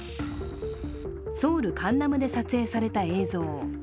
ソウル・カンナムで撮影された映像。